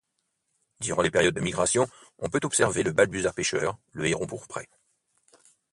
Durant les périodes de migrations on peut observer le balbuzard pêcheur, le héron pourpré.